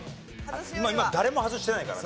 今誰も外してないからね。